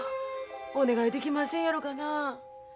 お願いできませんやろかな。